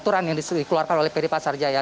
aturan yang dikeluarkan oleh pd pasar jaya